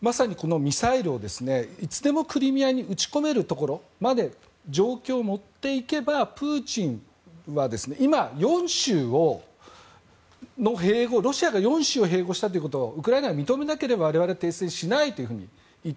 まさに、ミサイルをいつでもクリミアに撃ち込めるところまで状況を持っていけばプーチンは今、ロシアが４州併合したということをウクライナが認めなければ我々は停戦しないと言っている。